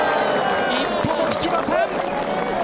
一歩も引きません。